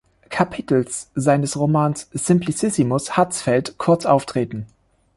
Kapitels seines Romans Simplicissimus Hatzfeld kurz auftreten.